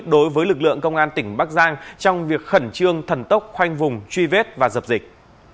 đối với lực lượng công an tỉnh bắc giang trong việc khẩn trương thần tốc khoanh vùng truy vết và dập dịch